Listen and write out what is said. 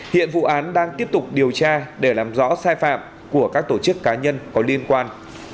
hiện vụ án đang tiếp tục điều tra để làm rõ sai phạm của các tổ chức cá nhân có liên quan